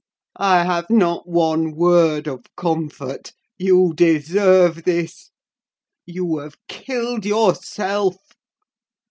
I have not one word of comfort. You deserve this. You have killed yourself.